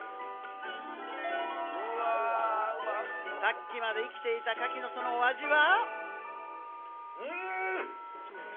さっきまで生きていたカキの、そのお味は？